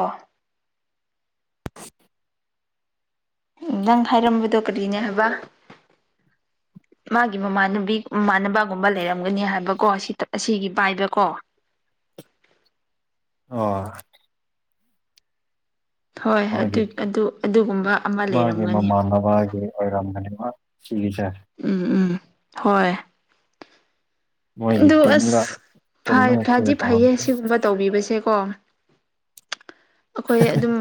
ꯑꯥ ꯅꯪ ꯍꯥꯏꯔꯝꯕꯗꯣ ꯀꯔꯤꯅꯦ ꯍꯥꯏꯕ ꯃꯥꯒꯤ ꯃꯃꯥꯟꯅꯨꯕꯤ ꯃꯃꯥꯟꯅꯕꯒꯨꯝꯕ ꯂꯩꯔꯝꯒꯅꯤ ꯍꯥꯏꯕꯀꯣ ꯁꯤ ꯑꯁꯤꯒꯤ ꯄꯥꯏꯕꯀꯣ ꯑꯣ ꯍꯣꯏ ꯑꯗꯨ ꯃꯥꯒꯤ ꯑꯗꯨ ꯑꯗꯨꯒꯨꯝꯕ ꯑꯃ ꯃꯥꯒꯤ ꯂꯩꯔꯝꯒꯅꯤ ꯃꯃꯥꯅꯕꯒꯤ ꯍꯔꯝ ꯁꯤꯒꯤꯁꯦ ꯎꯝ ꯎꯝ ꯍꯣꯏ ꯃꯣꯏꯒꯤ ꯑꯗꯨ ꯇꯤꯝꯒ ꯑꯁ ꯄꯨꯜꯂꯒ ꯐꯗꯤ ꯀꯦꯌꯔ ꯐꯩꯌꯦ ꯇꯧꯔꯝꯕꯅꯤ ꯁꯤꯒꯨꯝꯕ ꯇꯧꯕꯤꯕꯁꯦꯀꯣ ꯑꯩꯈꯣꯏ ꯑꯗꯨꯝ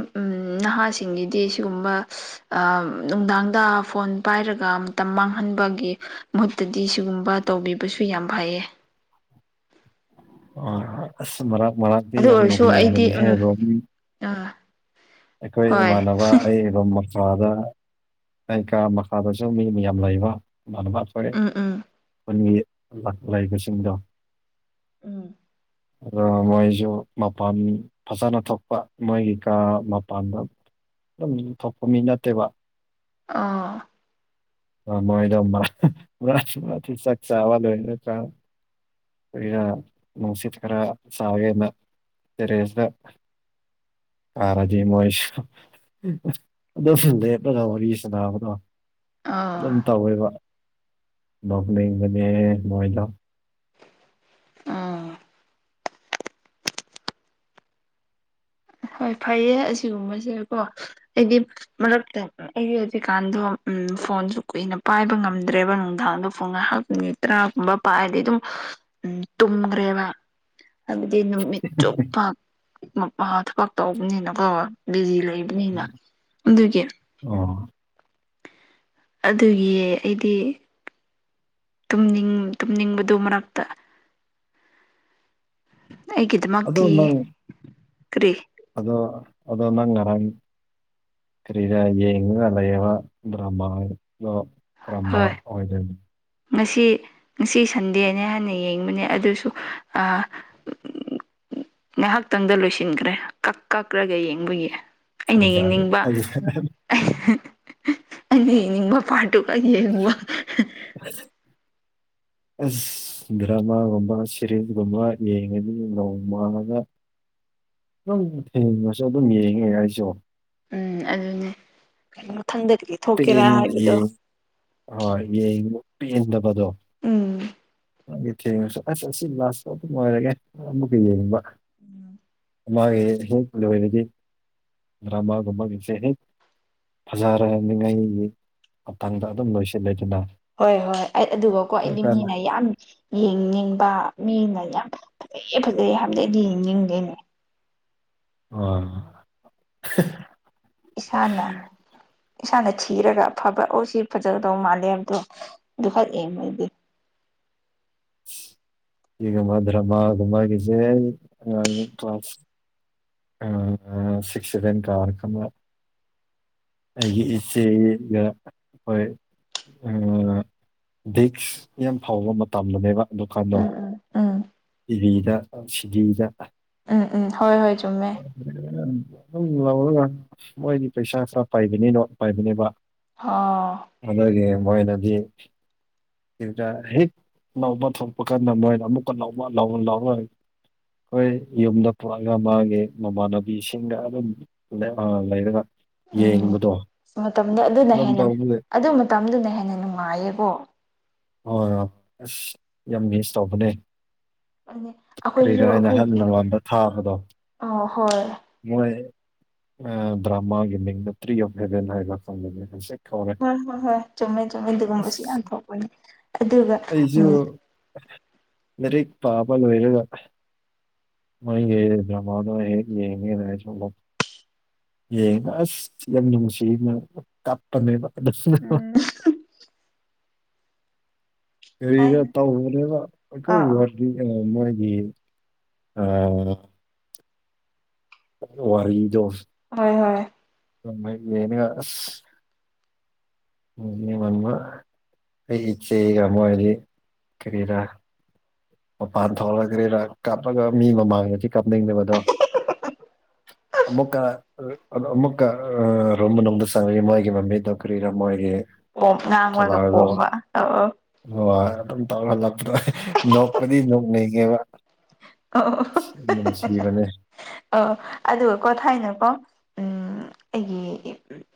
ꯅꯍꯥꯁꯤꯡꯒꯤꯗꯤ ꯁꯤꯒꯨꯝꯕ ꯑ ꯅꯨꯡꯗꯥꯡꯗ ꯐꯣꯟ ꯄꯥꯏꯔꯒ ꯃꯇꯝ ꯃꯥꯡꯍꯟꯕꯒꯤ ꯃꯍꯨꯠꯇꯗꯤ ꯁꯤꯒꯨꯝꯕ ꯇꯧꯕꯤꯕꯁꯨ ꯌꯥꯝ ꯐꯩꯌꯦ ꯑ ꯑꯁ ꯃꯔꯥꯛ ꯃꯔꯥꯛꯗꯤ ꯌꯥꯝ ꯅꯣꯅꯤꯡꯕꯅꯤ ꯑ ꯑꯩꯈꯣꯏ ꯏꯃꯥꯟꯅꯕ ꯑꯩꯔꯣ ꯃꯆꯥꯗ ꯂꯩꯀꯥ ꯃꯈꯥꯗꯁꯨ ꯃꯤ ꯃꯌꯥꯝ ꯂꯩꯕ ꯃꯥꯅ ꯃꯐꯔꯦ ꯎꯝ ꯎꯝ ꯈꯨꯟꯒꯤ ꯂꯩꯕꯁꯤꯡꯗꯣ ꯎꯝ ꯑ ꯃꯣꯏꯁꯨ ꯃꯄꯥꯟ ꯐꯖꯅ ꯊꯣꯛꯄ ꯃꯣꯏꯒꯤ ꯀꯥ ꯃꯄꯥꯟꯗ ꯑꯗꯨꯝ ꯊꯣꯛꯄ ꯃꯤ ꯅꯠꯇꯦꯕ ꯑ ꯑ ꯃꯣꯏꯗ ꯃꯥ ꯆꯛ ꯆꯋꯥꯜ ꯑꯣꯏꯅ ꯀ ꯑꯩꯒ ꯅꯨꯡꯁꯤꯠ ꯈꯔ ꯆꯒꯦꯅ ꯇꯦꯔꯦꯖꯗ ꯑꯥꯔꯗꯤ ꯃꯣꯁꯨ ꯑꯗꯣ ꯁꯤꯗ ꯂꯦꯞꯄꯒ ꯋꯥꯔꯤ ꯁꯅꯥꯕꯗꯣ ꯑꯥ ꯑꯗꯨꯝ ꯇꯧꯋꯦꯕ ꯅꯣꯛꯅꯤꯡꯕꯅꯦ ꯃꯣꯏꯗ ꯑ ꯍꯣꯏ ꯐꯩꯌꯦ ꯑꯁꯤꯒꯨꯝꯕꯁꯦꯀꯣ ꯑꯩꯗꯤ ꯃꯔꯛꯇ ꯑꯩꯒꯤ ꯍꯧꯖꯤꯛꯀꯥꯟꯗꯣ ꯎꯝ ꯐꯣꯟꯁꯨ ꯀꯨꯏꯅ ꯄꯥꯏꯕ ꯉꯝꯗ꯭ꯔꯦꯕ ꯅꯨꯡꯗꯥꯡꯗ ꯐꯣꯟ ꯉꯥꯏꯍꯥꯛ ꯅꯨꯃꯤ ꯇꯔꯥꯒꯨꯝꯕ ꯄꯥꯏꯔꯗꯤ ꯑꯗꯨꯝ ꯇꯨꯝꯈ꯭ꯔꯦꯕ ꯅꯪꯗꯤ ꯅꯨꯃꯤꯠ ꯆꯨꯞꯄ ꯃ ꯊꯕꯛ ꯇꯧꯕꯅꯤꯅꯀꯣ ꯕꯤꯖꯤ ꯂꯩꯕꯅꯤꯅ ꯑꯗꯨꯒꯤ ꯑꯣ ꯑꯗꯨꯒꯤ ꯑꯩꯗꯤ ꯇꯨꯝꯅꯤꯡ ꯇꯨꯝꯅꯤꯡꯕꯗꯨ ꯃꯔꯛꯇ ꯑꯩꯒꯤ ꯑꯗꯣ ꯅꯪ ꯑꯗꯣ ꯑꯗꯣ ꯅꯪ ꯉꯔꯥꯡ ꯀꯔꯤꯔ ꯌꯦꯡꯉꯒ ꯂꯩꯕ ꯗ꯭ꯔꯃꯥꯗ ꯀ꯭ꯔꯃꯥ ꯍꯣꯏ ꯑꯣꯏꯗꯣꯏꯅꯤ ꯉꯁꯤ ꯉꯁꯤ ꯁꯟꯗꯦꯅꯦ ꯍꯥꯟꯅ ꯌꯦꯡꯕꯅꯦ ꯑꯗꯨꯁꯨ ꯉꯥꯏꯍꯥꯛꯇꯪꯗ ꯂꯣꯏꯁꯤꯟꯈ꯭ꯔꯦ ꯀꯛ ꯀꯛꯔꯒ ꯌꯦꯡꯕꯒꯤ ꯑꯩꯅ ꯐꯖꯔꯦ ꯌꯦꯡꯅꯤꯡꯕ ꯐꯖ ꯑꯩꯅ ꯌꯦꯡꯅꯤꯡꯕ ꯄꯥꯠꯇꯨꯒ ꯌꯦꯡꯕ [inaudible] ꯑꯁ ꯗ꯭ꯔꯃꯥꯒꯨꯝꯕ ꯁꯦꯔꯤꯁꯒꯨꯝꯕ ꯌꯦꯡꯉꯅꯤ ꯅꯣꯡ ꯃꯥꯡꯂꯒ [inaudible] ꯑꯗꯨꯝ ꯊꯦꯡꯉꯁꯨ ꯑꯗꯨꯝ ꯌꯦꯡꯉꯦ ꯑꯩꯁꯨ ꯎꯝ ꯑꯗꯨꯅꯦ ꯃꯊꯪꯗꯗꯤ ꯄꯦꯟ ꯍꯣꯏ ꯄꯦꯟꯗꯕꯗꯣ ꯎꯝ ꯒꯤ ꯊꯦꯡꯅ ꯑꯁ ꯑꯁꯤ ꯂꯥꯁꯇ ꯑꯗꯨꯝ ꯑꯣꯏꯔꯒꯦ ꯑꯃꯨꯛꯀ ꯌꯦꯡꯅꯤꯡꯕ ꯎꯝ ꯃꯥꯒꯤ ꯍꯦꯛ ꯂꯣꯏꯔꯗꯤ ꯕꯔꯃꯥ ꯒꯨꯝꯕꯁꯦ ꯐꯖꯔꯦ ꯑꯒꯤ ꯃꯊꯪꯗ ꯑꯗꯨꯝ ꯂꯣꯏꯁꯤꯜꯂꯗꯅꯦ ꯍꯣꯏ ꯍꯣꯏ ꯑꯩ ꯑꯗꯨꯒꯀꯣ ꯑꯩꯗꯤ ꯃꯤꯅ ꯌꯥꯝ ꯌꯦꯡꯅꯤꯡꯕ ꯃꯤꯅ ꯌꯥꯝ ꯐꯖꯩ ꯐꯖꯩ ꯍꯥꯏꯕꯗꯤ ꯌꯦꯡꯅꯤꯡꯗꯦ ꯑꯣ ꯏꯁꯥꯅ ꯏꯁꯥꯅ ꯊꯤꯔꯒ ꯑꯐꯕ ꯑꯣ ꯁꯤ ꯐꯖꯒꯗꯧ ꯃꯥꯜꯂꯦ ꯍꯥꯏꯕꯗꯣ ꯑꯗꯨ ꯈꯛ ꯌꯦꯡꯉꯦ ꯑꯩꯗꯤ [unintelligible] ꯁꯤꯛ ꯁꯕꯦꯟ [unintelligible] ꯑꯩꯒꯤ ꯏꯆꯦꯒ ꯑꯩꯈꯣꯏ ꯗꯤꯛꯁ ꯌꯥꯝ ꯐꯕ ꯃꯇꯝꯗꯅꯦꯕ ꯗꯨꯀꯥꯟꯗꯣ ꯎꯝ ꯎꯝ ꯇꯤꯚꯤꯗ ꯁꯤꯗꯤꯗ ꯎꯝ ꯎꯝ ꯍꯣꯏ ꯍꯣꯏ ꯆꯨꯝꯃꯦ ꯑꯗꯨꯝ ꯂꯧꯔꯒ ꯃꯣꯏꯗꯤ ꯄꯩꯁꯥ ꯈꯔ ꯄꯥꯏꯕꯅꯤꯅ ꯄꯥꯏꯕꯅꯦꯕ ꯑ ꯑꯗꯨꯒꯤ ꯃꯣꯏꯅꯗꯤ ꯍꯦꯛ ꯂꯧꯕ ꯊꯣꯛꯄ ꯀꯥꯟꯗ ꯃꯣꯏꯅ ꯑꯃꯨꯛꯀ ꯂꯧꯕ ꯂꯥꯎꯔꯣꯏ ꯑꯩꯈꯣꯏ ꯌꯨꯝꯗ ꯄꯨꯔꯛ ꯑꯥꯒ ꯃꯥꯒꯤ ꯃꯃꯥꯟꯅꯕꯤꯁꯤꯡꯒ ꯑꯗꯨꯝ ꯑꯥ ꯂꯩꯔꯒ ꯎꯝ ꯌꯦꯡꯕꯗꯣ ꯃꯇꯝꯗ ꯑꯗꯨꯅ ꯑꯗꯨꯝ ꯍꯦꯟꯅ ꯇꯧꯕ ꯑꯗꯨ ꯃꯇꯝꯗꯨꯅ ꯍꯦꯟꯅ ꯅꯨꯡꯉꯥꯏꯌꯦꯀꯣ ꯍꯣꯏ ꯍꯣꯏ ꯑꯁ ꯌꯥꯝ ꯃꯤꯁ ꯇꯧꯕꯅꯦ ꯑꯗꯨꯅꯦ ꯑꯩꯈꯣꯏꯁꯨ ꯀꯔꯤꯔꯣ ꯍꯥꯏꯅ ꯑꯍꯟ ꯑꯩꯈꯣꯏꯒꯤ ꯅꯉꯟꯗ ꯊꯥꯕꯗꯣ ꯑ ꯍꯣꯏ ꯃꯣꯏ ꯗ꯭ꯔꯃꯥꯒꯤ ꯃꯤꯡꯅꯇ꯭ꯔꯤ ꯑꯣꯐ ꯍꯦꯚꯦꯟ ꯍꯥꯏꯕ ꯍꯣꯏ ꯍꯣꯏ ꯍꯣꯏ ꯆꯨꯝꯃꯦ ꯆꯨꯝꯃꯦ ꯑꯗꯨꯒꯨꯝꯕꯁꯨ ꯑꯁ ꯌꯥꯝ ꯊꯣꯛꯄꯅꯤ ꯑꯩꯁꯨ ꯂꯥꯏꯔꯤꯛ ꯄꯥꯕ ꯂꯣꯏꯔꯒ ꯃꯣꯏꯒꯤ ꯗꯔꯃꯥ ꯗꯣ ꯍꯦꯛ ꯌꯦꯡꯉꯦ꯫ ꯌꯦꯡꯉꯦ ꯑꯁ ꯌꯥꯝ ꯅꯨꯡꯁꯤꯕꯅꯦ ꯀꯥꯞꯄꯅꯦꯕ ꯑꯗꯨ ꯎꯝ ꯍꯥꯏ ꯀꯔꯤꯒ ꯇꯧꯕꯅꯦꯕ ꯑꯥ ꯑꯩꯈꯣꯏ ꯑꯥ ꯃꯣꯏꯒꯤ ꯋꯥꯔꯤꯗꯣ ꯍꯣꯏ ꯍꯣꯏ [unintelligible] ꯃꯝꯃ ꯑꯩ ꯏꯆꯦꯒ ꯑꯃ ꯍꯥꯏꯗꯤ ꯀꯔꯤꯔꯥ ꯃꯄꯥꯟ ꯊꯣꯛꯂꯛꯂꯒ ꯀꯥꯞꯂꯒ ꯃꯤ ꯃꯃꯥꯡꯗꯗꯤ ꯀꯥꯞꯅꯤꯡꯗꯕꯗꯣ [inaudible] ꯑꯃꯨꯛꯀ ꯑꯃꯨꯛꯀ ꯑ ꯔꯨꯝ ꯃꯅꯨꯡꯗ ꯆꯥꯡꯉꯥꯗꯤ ꯃꯣꯏꯒꯤ ꯃꯃꯤꯗꯣ ꯀꯔꯤꯅꯣ ꯃꯣꯏꯒꯤ ꯉꯥꯡꯉꯒ ꯄꯣꯝꯕꯗꯣ ꯍ ꯑꯗꯨꯝ ꯇꯧꯔ ꯍꯜꯂꯛꯄꯗꯣ ꯅꯣꯛꯄꯗꯤ ꯅꯣꯛꯅꯩꯒꯦꯕ ꯑꯣ ꯅꯨꯡꯁꯤꯕꯅꯦ ꯑ ꯑꯗꯨꯒꯀꯣ ꯊꯥꯏꯅꯀꯣ ꯎꯝ ꯑꯩꯒꯤ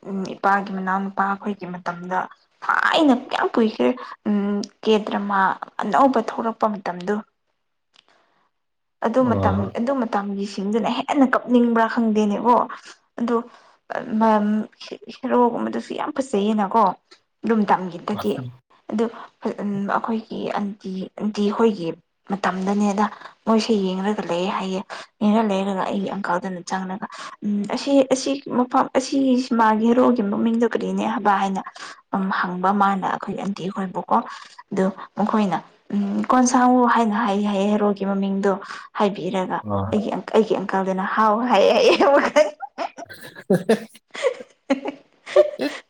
ꯎꯝ ꯏꯄꯥꯒꯤ ꯃꯅꯥꯎ ꯅꯨꯨꯄꯥ ꯑꯩꯈꯣꯏꯒꯤ ꯃꯇꯝꯗ ꯊꯥꯏꯅ ꯀꯌꯥꯝ ꯀꯨꯏꯈ꯭ꯔꯦ ꯎ ꯀꯦꯗ꯭ꯔꯃꯥ ꯑꯅꯧꯕ ꯊꯣꯛꯂꯛꯄ ꯃꯇꯝꯗꯣ ꯑꯗꯨ ꯃꯇꯝ ꯑꯣ ꯑꯗꯨ ꯃꯇꯝꯒꯤꯁꯤꯡꯗꯨꯅ ꯍꯦꯟꯅ ꯀꯞꯅꯤꯡꯕ꯭ꯔꯥ ꯈꯪꯗꯦꯅꯦꯕꯣ ꯑꯗꯣ ꯍꯦꯔꯣꯒꯨꯝꯕꯗꯨꯁꯨ ꯌꯥꯝ ꯐꯖꯩꯌꯦꯅꯀꯣ [unintelligible] ꯑꯗꯨ ꯎ ꯑꯩꯈꯣꯏꯒꯤ ꯑꯟꯇꯤ ꯑꯟꯇꯤ ꯑꯩꯈꯣꯏꯒꯤ ꯃꯇꯝꯗꯅꯦꯅ ꯃꯣꯏꯁꯦ ꯌꯦꯡꯂꯡꯉꯒ ꯂꯩꯌꯦ ꯍꯥꯏꯌꯦ ꯌꯦꯡꯉ ꯂꯩꯔꯒ ꯑꯩꯒꯤ ꯑꯪꯀꯥꯜꯗꯅ ꯆꯪꯂꯉꯒ ꯎꯝ ꯑꯁꯤ ꯑꯁꯤ ꯃꯐꯝ ꯑꯁꯤ ꯁꯤ ꯃꯥꯒꯤ ꯍꯦꯔꯣꯒꯤ ꯃꯃꯤꯡꯗꯣ ꯀꯔꯤꯅꯦ ꯍꯥꯏꯕ ꯍꯥꯏꯅ ꯎ ꯍꯪꯕ ꯃꯥꯅ ꯑꯩꯈꯣꯏ ꯑꯟꯇꯤꯈꯣꯏꯕꯨꯀꯣ ꯑꯗꯨ ꯃꯈꯣꯏꯅ ꯎꯝ ꯀꯣꯟꯁꯥꯡꯉ ꯍꯥꯏꯅ ꯍꯥꯏ ꯍꯥꯏꯌꯦ ꯍꯦꯔꯣꯗꫭ ꯃꯃꯤꯡꯗꯣ ꯍꯥꯏꯕꯤꯔꯒ ꯑ ꯑꯩꯒꯤ ꯑꯩꯒꯤ ꯑꯪꯀꯜꯗꯨꯅ ꯍꯥꯎ ꯍꯥꯏ [unintelligible] [unintelligible]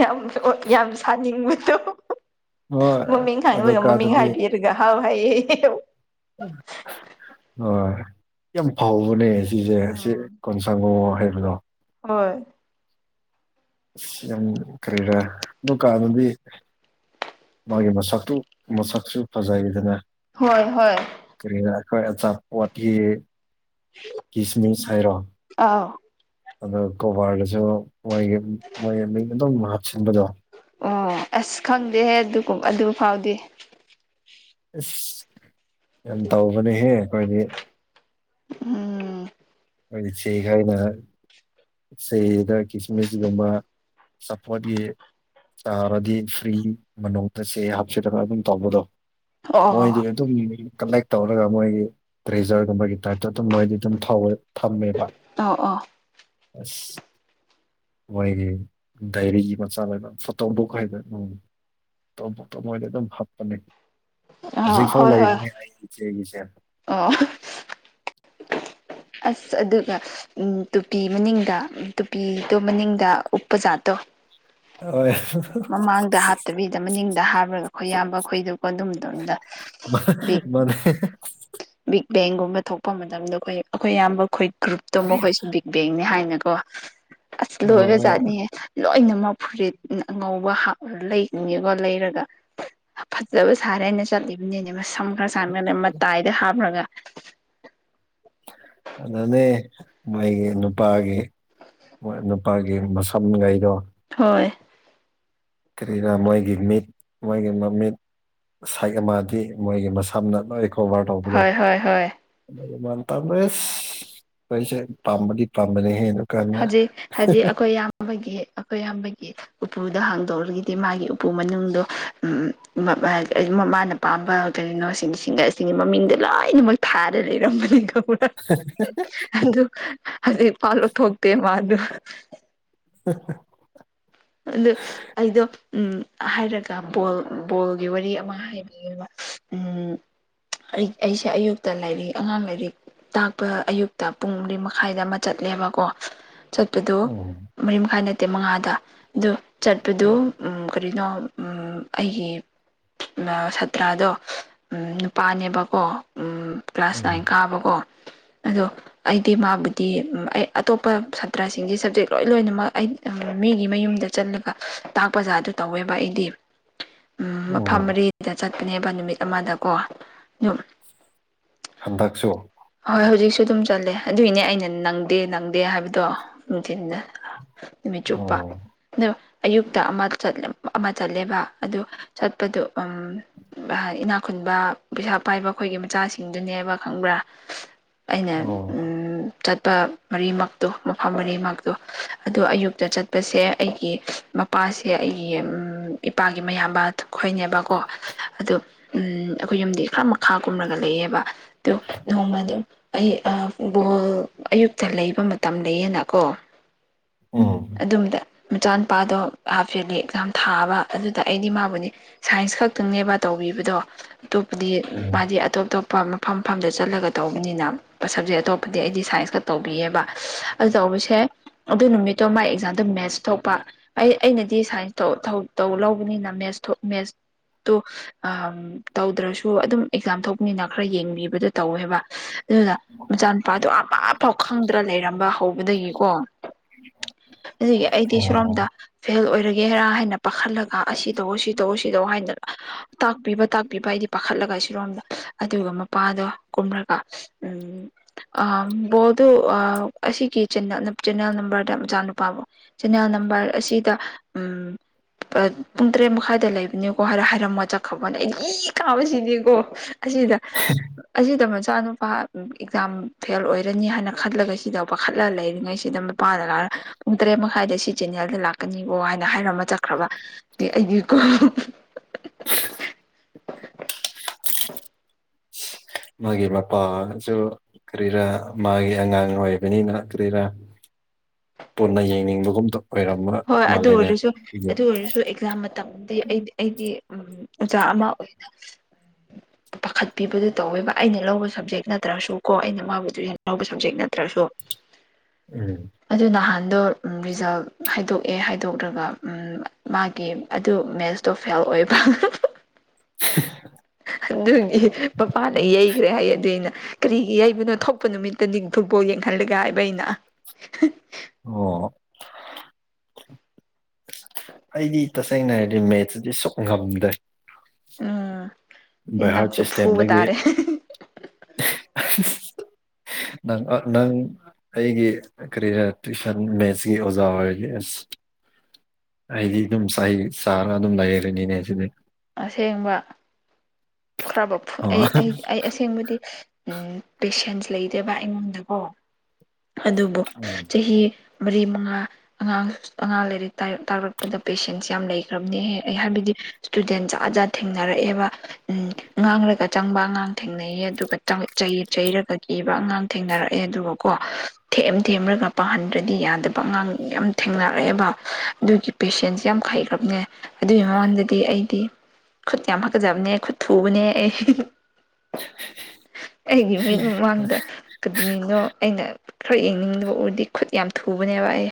ꯌꯥꯝ ꯌꯥꯝ ꯁꯥꯅꯤꯡꯕꯗꯣ ꯍꯣꯏ ꯃꯃꯤꯡ ꯑꯗ ꯈꯥꯡꯉꯕꯒ ꯃꯃꯤꯡ ꯀꯥꯟꯗꯗꯤ ꯍꯥꯏꯕꯤꯔꯒ ꯍꯥꯎꯍꯥꯏꯌꯦ ꯍꯣꯏ ꯌꯥꯝ ꯐꯥꯎꯕꯅꯦ ꯁꯤꯁꯦ ꯁꯤ ꯀꯣꯟ ꯁꯪꯉꯣ ꯍꯥꯏꯕꯗꯣ ꯍꯣꯏ ꯌꯥꯝ ꯀꯔꯤꯔꯥ ꯀꯥꯟꯗꯗꯤ ꯃꯥꯒꯤ ꯃꯁꯛꯇꯨ ꯃꯁꯛꯁꯨ ꯐꯖꯩꯗꯅ ꯍꯣꯏ ꯍꯣꯏ ꯀꯔꯤꯅ ꯑꯩꯈꯣꯏ ꯑꯆꯥꯄꯣꯠꯀꯤ ꯀꯤꯁꯃꯤꯁ ꯍꯥꯏꯔꯣ ꯑꯧ ꯑꯗ ꯀꯕꯥꯔꯗꯁꯨ ꯃꯣꯏꯒꯤ ꯃꯣꯏꯒꯤ ꯃꯤ ꯑꯗꯨꯝ ꯃꯍꯞ ꯁꯤꯟꯕꯗꯣ ꯑꯣ ꯑꯁ ꯈꯪꯗꯦꯍꯦ ꯑꯗꯨꯒ ꯑꯗꯨ ꯐꯥꯎꯗꯤ ꯑꯁ ꯌꯥꯝ ꯇꯧꯕꯅꯦꯍꯦ ꯑꯩꯈꯣꯏꯗꯤ ꯎꯝ ꯑꯗꯨꯗꯤ ꯆꯩꯈꯅ ꯁꯤꯗ ꯀꯤꯁꯃꯤꯁꯒꯨꯝꯕ ꯆꯄꯣꯠꯀꯤ ꯆꯥꯔꯗꯤ ꯐ꯭ꯔꯤ ꯃꯅꯨꯡꯗ ꯆꯦ ꯍꯥꯞꯆꯤꯜꯂꯒ ꯑꯗꯨꯝ ꯇꯧꯕꯗꯣ ꯑꯣ ꯃꯣꯏꯗꯤ ꯑꯗꯨꯝ ꯀꯂꯦꯛ ꯇꯧꯔꯒ ꯃꯣꯏꯒꯤ ꯗ꯭ꯔꯦꯖꯔꯒꯨꯝꯕꯒꯤ ꯇꯥꯏꯞꯇ ꯑꯗꯨꯝ ꯃꯣꯏꯗꯤ ꯑꯗꯨꯝ ꯊꯧꯋꯦ ꯊꯝꯃꯦꯕ ꯑ ꯑꯣ ꯑꯁ ꯃꯣꯏꯒꯤ ꯗꯥꯏꯔꯤꯒꯤ ꯃꯆꯥ ꯂꯩꯕ ꯐꯣꯇꯣ ꯕꯨꯛ ꯍꯥꯏꯗꯦ ꯎꯝ ꯇꯣꯞꯄꯇ ꯃꯣꯏꯗꯤ ꯑꯗꯨꯝ ꯍꯥꯞꯄꯅꯦ ꯑꯣ ꯍꯧꯖꯤꯛꯐꯥꯎ ꯂꯩꯔꯤꯅꯦ ꯑꯩ ꯏꯆꯦꯒꯤꯁꯦ ꯑꫭ ꯑꯁ ꯑꯗꯨꯒ ꯎꯝ ꯇꯨꯄꯤ ꯃꯅꯤꯡꯗ ꯇꯨꯄꯤꯗꯨ ꯃꯅꯤꯡꯗ ꯎꯞꯄꯖꯥꯠꯇꯣ ꯍꯣꯏ ꯃꯃꯥꯡꯗ ꯍꯥꯞꯇꯕꯤꯗ ꯃꯅꯤꯡꯗ ꯍꯥꯞꯄꯨꯔꯒ ꯑꯩꯈꯣꯏ ꯑꯌꯥꯝꯕ ꯑꯩꯈꯣꯏꯗ ꯀ ꯑꯗꯨꯝ ꯇꯗ [unintelligible] ꯃꯥꯅꯦ ꯕꯤꯛ ꯕꯦꯡꯒꯨꯝꯕ ꯊꯣꯛꯄ ꯃꯇꯝꯗ ꯑꯩꯈꯣꯏ ꯑꯩꯈꯣꯏ ꯑꯌꯥꯝꯕ ꯑꯩꯈꯣꯏ ꯒ꯭ꯔꯨꯞꯇꯣ ꯃꯈꯈꯣꯏꯁꯨꯕꯤ ꯕꯦꯡꯅꯦ ꯍꯥꯏꯅꯀꯣ ꯑꯁ ꯂꯣꯏꯕ ꯑꯣ ꯖꯥꯠꯅꯤꯌꯦ ꯂꯣꯏꯅꯃꯛ ꯐꯨꯔꯤꯠ ꯉꯧꯕ ꯂꯩꯉꯦꯀꯣ ꯂꯩꯔꯒ ꯐꯖꯕ ꯁꯥꯔꯦꯅ ꯆꯠꯂꯤꯕꯅꯤꯅꯦ ꯃꯁꯝ ꯈꯔ ꯁꯥꯟꯅꯒ ꯃꯇꯥꯏꯗ ꯍꯥꯞꯂꯒ ꯅꯅꯦ ꯃꯥꯏꯒꯤ ꯅꯨꯄꯥꯒꯤ ꯃꯣꯏ ꯅꯨꯄꯥꯒꯤ ꯃꯁꯝꯉꯩꯗꯣ ꯍꯣꯏ ꯀ꯭ꯔꯤꯔ ꯃꯣꯏꯒꯤ ꯃꯤꯠ ꯃꯣꯏꯒꯤ ꯃꯃꯤꯠ ꯁꯥꯏꯒ ꯃꯗꯤ ꯃꯣꯏꯒꯤ ꯃꯁꯝꯅ ꯂꯣꯏ ꯀꯣꯚꯔ ꯇꯧꯕꯗꯣ ꯍꯣꯏ ꯍꯣꯏ ꯍꯣꯏ ꯑꯗꯨꯒꯨꯝꯕ ꯇꯝ ꯏꯁ ꯈꯣꯢꯁꯦ ꯄꯥꯝꯕꯗꯤ ꯄꯥꯝꯕꯅꯦ ꯍꯦ ꯅꯨ ꯍꯧꯖꯤꯛ ꯍꯥꯖꯤꯛ ꯑꯩꯈꯣꯏ ꯏꯌꯥꯝꯕꯒꯤ ꯑꯩꯈꯣꯏ ꯏꯌꯥꯝꯕꯒꯤ ꯎꯄꯨꯗꯣ ꯍꯥꯡꯗꯣꯛꯔꯒꯗꯤ ꯃꯥꯒꯤ ꯎꯄꯨ ꯃꯅꯨꯡꯗꯣ ꯎꯝ ꯎꯝ ꯑ ꯃꯃꯥꯅ ꯄꯥꯝꯕ ꯀꯔꯤꯅꯣ ꯁꯤꯡ ꯁꯤꯡꯒꯔꯁꯤꯡꯒꯤ ꯃꯃꯤꯡꯗꯣ ꯂꯣꯏꯅꯃꯛ ꯊꯥꯔ ꯂꯩꯔꯝꯕꯅꯤ ꯈꯪꯕ꯭ꯔꯥ ꯑꯗꯨ ꯍꯧꯖꯤꯛ ꯐꯥꯎ ꯂꯧꯊꯣꯛꯇꯦ ꯃꯥꯗꯨ [unintelligible] ꯑꯗꯨ ꯑꯩꯗꯣ ꯎꯝ ꯍꯥꯏꯔꯒ ꯕꯣꯜ ꯕꯣꯜꯒꯤ ꯋꯥꯔꯤ ꯑꯃ ꯍꯥꯏꯕꯤꯒꯦꯕ ꯎꯝ ꯑꯩ ꯑꯩꯁꯦ ꯑꯌꯨꯛꯇ ꯂꯥꯏꯔꯤꯛ ꯑꯉꯥꯡ ꯂꯥꯏꯔꯤꯛ ꯇꯥꯛꯄ ꯑꯌꯨꯛꯇ ꯄꯨꯡ ꯃꯔꯤ ꯃꯈꯥꯏꯗ ꯑꯃ ꯆꯠꯂꯦꯕꯀꯣ ꯆꯠꯄꯗꯨ ꯎꯝ ꯃꯔꯤ ꯃꯈꯥꯏ ꯅꯠꯇꯦ ꯃꯉꯥꯗ ꯗꯨ ꯆꯠꯄꯗꯨ ꯀꯔꯤꯅꯣ ꯑꯩꯒꯤ ꯁꯥꯇ꯭ꯔꯥꯗꯣ ꯅꯨꯄꯥꯅꯦꯕꯀꯣ ꯀ꯭ꯂꯥꯁ ꯅꯥꯏꯟ ꯎꯝ ꯀꯥꯕꯀꯣ ꯑꯗꯣ ꯑꯩꯗꯤ ꯃꯥꯕꯨꯗꯤ ꯑꯩ ꯑꯇꯣꯞꯄ ꯁꯥꯇ꯭ꯔꯥꯁꯤꯡꯗꯤ ꯁꯕꯖꯦꯛ ꯂꯣꯏ ꯂꯣꯏꯅꯃꯛ ꯑꯩ ꯃꯤꯒꯤ ꯃꯌꯨꯝꯗ ꯆꯜꯂꯒ ꯇꯥꯛꯄ ꯖꯥꯠ ꯇꯨ ꯇꯧꯋꯦꯕ ꯑꯩꯗꯤ ꯎ ꯃꯐꯝ ꯎꯝ ꯃꯔꯤ ꯗ ꯆꯠꯄꯅꯦꯕ ꯅꯨꯃꯤꯠ ꯑꯃꯗꯀꯣ ꯌꯨꯝ ꯍꯟꯗꯛꯁꯨ ꯍꯣꯏ ꯍꯧꯖꯤꯛꯁꯨ ꯑꯗꯨꯝ ꯆꯠꯂꯦ ꯑꯗꯨꯏꯅꯦ ꯑꯩꯅ ꯅꯪꯗꯦ ꯅꯪꯗꯦ ꯍꯥꯏꯕꯗꯣ ꯅꯨꯡꯊꯤꯟꯗ ꯅꯨꯃꯤꯠ ꯆꯨꯞꯄ ꯎꯝ ꯑꯗꯣ ꯑꯌꯨꯛꯇ ꯑꯃ ꯑꯃ ꯆꯠꯂꯦꯕ ꯑꯗꯨ ꯆꯠꯄꯗꯣ ꯎꯝ ꯏꯅꯥꯛ ꯈꯨꯨꯟꯕ ꯄꯩꯁꯥ ꯄꯥꯏꯕ ꯈꯣꯏꯒꯤ ꯃꯆꯥꯁꯤꯡꯗꯨꯅꯦꯕ ꯈꯪꯕ꯭ꯔꯥ ꯑꯩꯅ ꯎꯝ ꯆꯠꯄ ꯃꯔꯤꯃꯛꯇꯣ ꯃꯐꯝ ꯃꯔꯤꯃꯛꯇꯣ ꯑꯗꯨ ꯑꯌꯨꯛꯇ ꯆꯠꯄꯁꯦ ꯑꯩꯒꯤ ꯃꯄꯥꯁꯦ ꯑꯩꯒꯤ ꯏꯄꯥꯒꯤ ꯃꯌꯥꯝꯕ ꯗꯨ ꯈꯣꯏꯅꯦꯕꯀꯣ ꯑꯗꯨ ꯎꯝ ꯑꯩꯈꯣꯏ ꯌꯨꯝꯗꯤ ꯈꯔ ꯃꯈꯥ ꯀꯨꯝꯂꯒ ꯂꯩꯌꯦꯕ ꯑꯗꯨ ꯅꯣꯡꯃꯥꯗꯨ ꯑꯩ ꯕꯣꯜ ꯑꯌꯨꯛꯇ ꯂꯩꯕ ꯃꯇꯝ ꯂꯩꯌꯦꯅꯀꯣ ꯎꯝ ꯑꯗꯨꯝꯗ ꯃꯆꯥꯅꯨꯄꯥꯗꯣ ꯍꯥꯞ ꯌꯥꯔꯂꯤ ꯑꯦꯛꯖꯥꯝ ꯊꯥꯕ ꯑꯗꯨꯗ ꯑꯩꯗꯤ ꯃꯥꯕꯨꯅꯤ ꯁꯥꯏꯟꯁ ꯈꯛꯇꯪꯅꯦꯕ ꯇꯧꯕꯤꯕꯗꯣ ꯑꯇꯣꯞꯄꯗꯤ ꯎꯝ ꯃꯥꯗꯤ ꯑꯇꯣꯞ ꯑꯇꯣꯞꯄ ꯃ ꯃꯐꯝ ꯃꯐꯝꯗ ꯆꯠꯂꯒ ꯇꯧꯕꯅꯤꯅ ꯁꯕꯖꯦꯛ ꯑꯇꯣꯞꯄꯗꯤ ꯑꯩꯗꯤ ꯁꯥꯏꯟꯁ ꯈꯛ ꯇꯧꯕꯤꯌꯦꯕ ꯑꯗꯨ ꯇꯧꯕꯁꯦ ꯑꯗꯨ ꯅꯨꯃꯤꯠꯇꯣ ꯃꯥꯥꯏ ꯑꯦꯛꯖꯥꯝꯗꯣ ꯃꯦꯠꯁ ꯊꯣꯛꯄ ꯑꯩ ꯑꯩꯅꯗꯤ ꯁꯥꯏꯟꯁꯇꯣ ꯊꯧ ꯇꯧ ꯂꯧꯕꯅꯤꯅ ꯃꯦꯠꯁ ꯃꯦꯠꯁꯇꯨ ꯑ ꯇꯧꯗ꯭ꯔꯁꯨ ꯑꯗꯨꯝ ꯑꯦꯛꯖꯥꯝ ꯊꯣꯛꯄꯅꯤꯅ ꯈꯔ ꯌꯦꯡꯕꯤꯕꯗ ꯇꯧꯋꯦꯕ ꯑꯗꯨꯗ ꯃꯆꯥꯅꯨꯄꯥꯗꯨ ꯑꯃꯐꯥꯎ ꯈꯪꯗ꯭ꯔ ꯂꯩꯔꯝꯕ ꯍꯧꯕꯗꯒꯤ ꯀꯣ ꯑꯗꯨꯒꯤ ꯑꯩꯗꯤ ꯑꯣ ꯁꯨꯔꯣꯝꯗ ꯐꯦꯜ ꯑꯣꯏꯔꯒꯦꯔꯥ ꯍꯥꯏꯅ ꯄꯥꯈꯠꯂꯒ ꯑꯁꯤ ꯇꯧ ꯁꯤ ꯇꯧꯑꯣ ꯁꯤ ꯇꯧ ꯍꯥꯏꯅ ꯇꯥꯛꯄꯤꯕ ꯇꯥꯛꯄꯤꯕ ꯑꯩꯗꯤ ꯄꯥꯈꯠꯂꯒ ꯏ ꯁꯤꯔꯣꯝꯗ ꯑꯗꯨꯒ ꯃꯄꯥꯗꯣ ꯀꯨꯝꯔꯒ ꯎꯝ ꯑ ꯕꯣꯜꯗꯨ ꯑ ꯑꯁꯤꯒꯤ ꯆꯦꯟꯅꯦꯜ ꯅꯝꯕꯔꯗ ꯃꯆꯥꯅꯨꯄꯥꯕꯨ ꯆꯦꯟꯅꯦꯜ ꯅꯝꯕꯔ ꯑꯁꯤꯗ ꯎꯝ ꯄꯨꯡ ꯇꯔꯦꯠ ꯃꯈꯥꯏꯗ ꯂꯩꯕꯅꯦꯀꯣ ꯍꯥꯏꯔ ꯍꯥꯏꯔꯝꯃ ꯆꯠꯈꯕꯅꯦ ꯑꯩꯅ ꯏ ꯀꯥꯕꯁꯤꯗꯤꯀꯣ ꯑꯁꯤꯗ ꯑꯁꯤꯗ ꯃꯆꯥꯅꯨ ꯄꯥ ꯑꯦꯛꯖꯥꯝ ꯐꯦꯜ ꯑꯣꯏꯔꯅꯤ ꯍꯥꯏꯅ ꯈꯜꯂꯒ ꯁꯤꯗ ꯄꯥꯈꯠꯂ ꯂꯩꯔꯤꯉꯩꯁꯤꯗ ꯃꯄꯥꯅ ꯂꯥꯛꯂꯒ ꯄꯨꯡ ꯇꯔꯦꯠ ꯃꯈꯥꯏꯗ ꯁꯤ ꯆꯦꯟꯅꯦꯜꯗ ꯂꯥꯛꯀꯅꯤꯀꯣ ꯍꯥꯏꯅ ꯍꯥꯏꯔꯝꯃ ꯆꯠꯈ꯭ꯔꯕ ꯑꯩꯗꯤꯀꯣ [unintelligible] ꯃꯣꯢꯒꯤ ꯃꯄꯥꯖꯨ ꯀꯔꯤꯔꯥ ꯃꯥꯒꯤ ꯑꯉꯥꯡ ꯑꯣꯏꯕꯅꯤꯅ ꯀꯔꯤꯔꯥ ꯄꯨꯟꯅ ꯌꯦꯡꯅꯤꯡꯕꯒꯨꯝꯗꯣ ꯍꯣꯏ ꯑꯗꯨ ꯑꯣꯏꯔꯁꯨ ꯑꯗꯨ ꯑꯣꯏꯔꯁꯨ ꯑꯦꯛꯖꯥꯝ ꯃꯇꯝ ꯑ ꯑꯩꯗꯤ ꯑꯩꯗꯤ ꯑꯣꯖꯥ ꯑꯃ ꯑꯣꯏꯅ ꯄꯥꯈꯠꯄꯤꯕꯗꯨ ꯇꯧꯋꯦꯕ ꯑꯩꯅ ꯂꯧꯕ ꯁꯕꯖꯦꯛ ꯅꯠꯇ꯭ꯔꯁꯨ ꯀꯣ ꯑꯩꯅ ꯃꯥꯕꯨꯗꯨ ꯂꯧꯕ ꯁꯕꯖꯦꯛ ꯅꯠꯇ꯭ꯔꯁꯨ [inaudible] ꯎꯝ ꯑꯗꯨ ꯅꯍꯥꯟꯗꯣ ꯔꯤꯖꯜ ꯍꯥꯏꯗꯣꯛꯑꯦ ꯍꯥꯏꯗꯣꯛꯂ꯭ꯔꯒ ꯃꯥꯒꯤ ꯑꯗꯨ ꯃꯦꯠꯁꯇꯣ ꯐꯦꯜ ꯑꯣꯏꯕ ꯑꯗꯨꯒꯤ ꯄꯄꯥꯅ ꯌꯩ ꯈ꯭ꯔꯦ ꯍꯥꯏꯌꯦ ꯑꯗꯨ ꯑꯩꯅ ꯀꯔꯤꯒꯤ ꯌꯩꯕꯅꯣ ꯊꯣꯛꯄ ꯅꯨꯃꯤꯠꯇꯗꯤ ꯐꯨꯠꯕꯣꯜ ꯌꯦꯡꯍꯜꯂꯒ ꯍꯥꯏꯕ ꯑꯩꯅ ꯍꯥ ꯑꯣ ꯑꯩꯗꯤ ꯇꯁꯦꯡꯅ ꯍꯥꯏꯔꯗꯤ ꯃꯦꯠꯁꯁꯤꯗꯤ ꯁꯨꯛ ꯉꯝꯗꯦ ꯎꯝ ꯕꯥꯏꯍꯔꯠ ꯅꯪꯁꯨ ꯐꯨꯕ ꯁꯤꯁꯇꯦꯝꯗꯒꯤ ꯍ ꯇꯥꯔꯦ ꯍꯥ ꯅꯪ ꯑ ꯅꯪ ꯑꯩꯒꯤ ꯀꯔꯤꯔ ꯇ꯭ꯋꯨꯁꯟ ꯃꯦꯠꯁꯀꯤ ꯑꯣꯖꯥ ꯑꯣꯏꯁꯤ ꯑꯁ ꯑꯩꯗꯤ ꯑꯗꯨꯝ ꯆꯍꯤ ꯆꯥꯔꯒ ꯑꯗꯨꯝ ꯂꯩꯔꯅꯤ ꯁꯤꯗꯤ ꯑꯁꯦꯡꯕ ꯈ꯭ꯔꯕ ꯑꯩ ꯑꯩ ꯑꯁꯦꯡꯕꯗꯤ ꯎꯨꯝ ꯄꯦꯁꯦꯟꯁ ꯂꯩꯇꯦꯕ ꯑꯩꯉꯣꯟꯗꯀꯣ ꯑꯗꯨꯕꯨ ꯆꯍꯤ ꯃꯔꯤ ꯃꯉꯥ ꯑꯉꯥꯡ ꯑꯉꯥꯡ ꯂꯥꯏꯔꯤꯛ ꯇꯥꯔꯛꯄꯗ ꯄꯦꯁꯦꯟꯁ ꯌꯥꯝ ꯂꯩꯈ꯭ꯔꯕꯅꯤꯍ ꯑꯩ ꯍꯥꯏꯕꯗꯤ ꯏꯁꯇꯨꯗꯦꯟꯖꯥꯠꯖꯥꯠ ꯊꯦꯡꯅꯔꯛꯑꯦꯕ ꯎꯝ ꯉꯥꯡꯂꯒ ꯆꯪꯕ ꯑꯉꯥꯡ ꯊꯦꯡꯅꯩꯌꯦ ꯑꯗꯨꯒ ꯆꯩ ꯆꯩꯔꯒ ꯀꯤꯕ ꯑꯉꯥꯡ ꯊꯦꯡꯅꯔꯛꯑꯦ ꯑꯗꯨꯒꯀꯣ ꯊꯦꯝꯑꯦꯝ ꯊꯦꯝꯔꯒ ꯄꯥꯍꯟꯗ꯭ꯔꯗꯤ ꯌꯥꯗꯕ ꯑꯉꯥꯡ ꯌꯥꯝ ꯊꯦꯡꯅꯔꯛꯑꯦꯕ ꯑꯗꯨꯒꯤ ꯄꯦꯁꯦꯟꯁ ꯌꯥꯝ ꯍꯩꯈ꯭ꯔꯕꯅꯦ ꯑꯗꯨꯒꯤ ꯃꯃꯥꯡꯗꯗꯤ ꯑꯩꯗꯤ ꯈꯨꯠ ꯌꯥꯝ ꯍꯥꯛꯀꯖꯕꯅꯦ ꯈꯨꯠ ꯊꯨꯕꯅꯦ ꯑꯩ ꯑꯩꯒꯤ ꯃꯤꯠ ꯃꯃꯥꯡꯗ ꯀꯅꯣ ꯑꯩꯅ ꯈꯔ ꯌꯦꯡꯅꯤꯡꯗꯕ ꯎꯔꯗꯤ ꯈꯨꯠ ꯌꯥꯝ ꯊꯨꯕꯅꯦꯕ ꯑꯩ